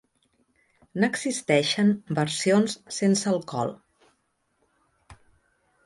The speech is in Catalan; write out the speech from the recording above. N'existeixen versions sense alcohol.